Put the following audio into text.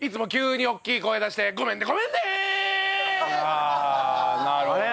ああなるほどね。